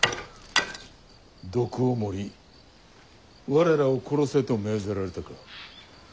毒を盛り我らを殺せと命ぜられたか？